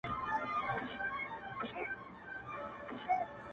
شمعي ته به نه وایې چي مه سوځه٫